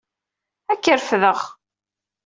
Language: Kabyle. Ad k-refdeɣ.